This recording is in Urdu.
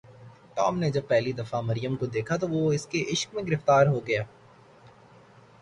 ٹام نے جب پہلی دفعہ مریم کو دیکھا تو وہ اس کے عشق میں گرفتار ہو گیا۔